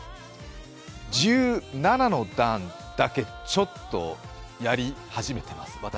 １７の段だけちょっとやり始めてます、私。